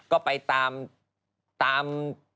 ก็ไปตามตาม